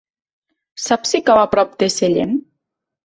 Saps si cau a prop de Sellent?